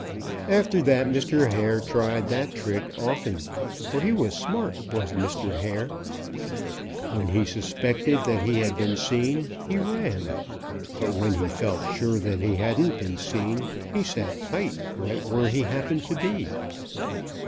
"After that Mr. Hare tried that trick often, for he was smart, was Mr. Hare. When he suspected that he had been seen he ran, but when he felt sure that he hadn't been seen, he sat tight right where he happened to be.